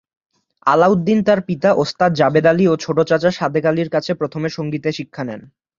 আলাউদ্দিন তার পিতা ওস্তাদ জাবেদ আলী ও ছোট চাচা সাদেক আলীর কাছে প্রথম সঙ্গীতে শিক্ষা নেন।